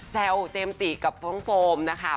แซวเจมส์จิกกับโฟมนะครับ